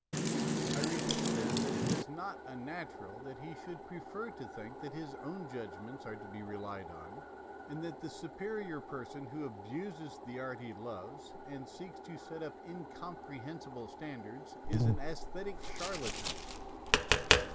I repeat, then, that it is not unnatural that he should prefer to think that his own judg ments are to be relied on, and that the 164 MONOLOGUES superior person who abuses the art he loves, and seeks to set up incomprehensible standards, is an aesthetic charlatan.